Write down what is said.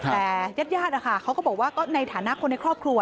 แต่ญาติญาติเขาก็บอกว่าก็ในฐานะคนในครอบครัว